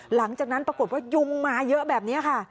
หลังจากนั้นปรากฏว่ายุงมาเยอะแบบนี้ค่ะ